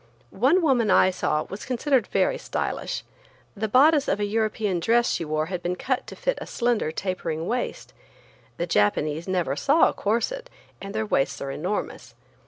One woman I saw was considered very stylish. The bodice of a European dress she wore had been cut to fit a slender, tapering waist. The Japanese never saw a corset and their waists are enormous.